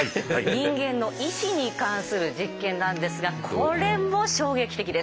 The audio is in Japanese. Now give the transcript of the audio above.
人間の意志に関する実験なんですがこれも衝撃的です。